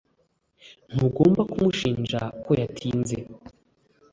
Ntugomba kumushinja ko yatinze